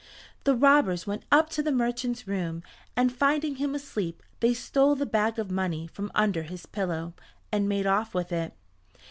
The robbers went up to the merchant's room and finding him asleep they stole the bag of money from under his pillow, and made off with it.